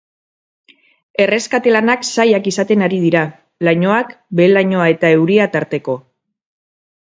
Erreskate lanak zailak izaten ari dira, lainoak, behe-lainoa eta euria tarteko.